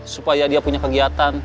supaya dia punya kegiatan